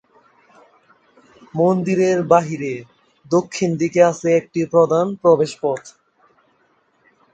মন্দিরের বাইরে দক্ষিণ দিকে আছে একটি প্রধান প্রবেশপথ।